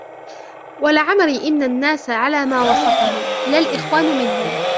وَلَعَمْرِي إنَّ النَّاسَ عَلَى مَا وَصَفَهُمْ ، لَا الْإِخْوَانُ مِنْهُمْ